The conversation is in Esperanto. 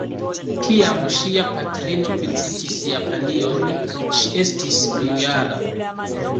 Kiam ŝia patrino vizitis Japanion, ŝi estis unujara.